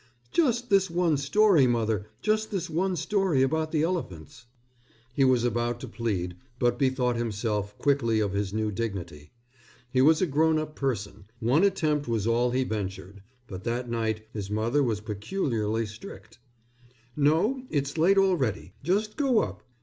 "Just this one story, mother, just this one story about the elephants." He was about to plead, but bethought himself quickly of his new dignity. He was a grown up person. One attempt was all he ventured. But that night his mother was peculiarly strict. "No, it's late already. Just go up.